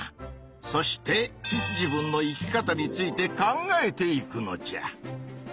そして自分の生き方について考えていくのじゃ。